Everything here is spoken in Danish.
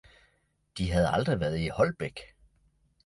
De havde aldrig været i Holbæk